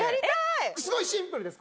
すごいシンプルです。